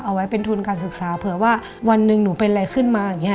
เอาไว้เป็นทุนการศึกษาเผื่อว่าวันหนึ่งหนูเป็นอะไรขึ้นมาอย่างนี้